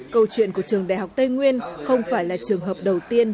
câu chuyện của trường đại học tây nguyên không phải là trường hợp đầu tiên